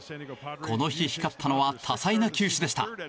この日光ったのは多彩な球種でした。